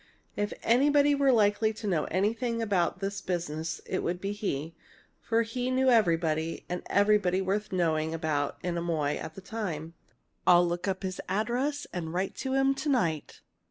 If anybody were likely to know anything about this business it would be he, for he knew everybody and everything worth knowing about in Amoy at the time. I'll look up his address and write to him to night.